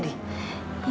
kita udah di tempat lain